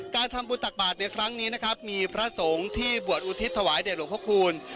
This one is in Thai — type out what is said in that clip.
การทำบุญตักบาทในครั้งนี้นะครับมีพระสงฆ์ที่บวชอุทิศถวายแด่หลวงพระคูณ